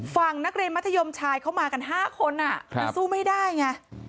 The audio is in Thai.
ฝั่งนักเรียนมัธยมชายเข้ามากัน๕คนมันสู้ไม่ได้ไง